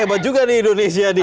wah berteba juga nih indonesia dia